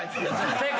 正解。